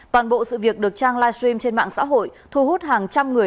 toàn bộ sự việc được trang livestream trên mạng xã hội thu hút hàng trăm người